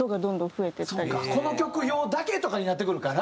この曲用だけとかになってくるから。